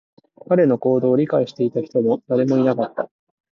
彼の行動を理解していた人も誰もいなかった